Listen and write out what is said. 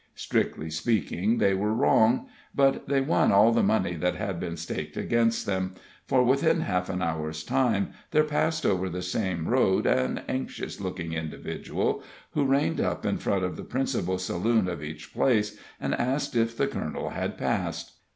Strictly speaking they were wrong, but they won all the money that had been staked against them; for within half an hour's time there passed over the same road an anxious looking individual, who reined up in front of the principal saloon of each place, and asked if the colonel had passed.